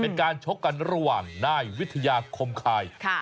เป็นการชกกันระหว่างนายวิทยาคมคายค่ะ